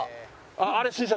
あれ新車！